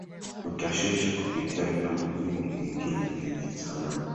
utashusha kupitia vyumba vingi vingi vyenye samani